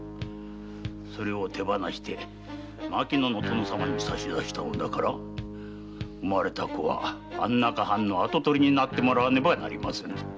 それを手放して牧野の殿様に差し出したのだから生まれた子は安中藩の跡取りになってもらわねばなりません。